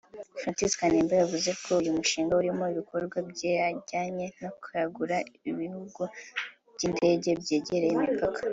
François Kanimba yavuze ko uyu mushinga urimo ibikorwa bijyanye no kwagura ibibuga by’indege byegereye imipaka